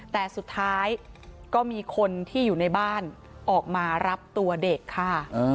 แต่สุดท้ายก็มีคนที่อยู่ในบ้านออกมารับตัวเด็กค่ะ